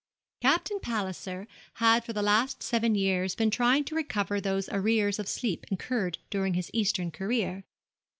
Captain Palliser had for the last seven years been trying to recover those arrears of sleep incurred during his Eastern career.